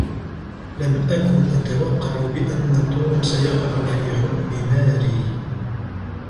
لم أكن أتوقع بأن "توم"سيقع في حب "ماري"